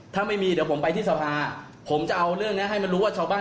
ถ้าไม่มีเดี๋ยวผมไปที่สภาผมจะเอาเรื่องนี้ให้มันรู้ว่าชาวบ้าน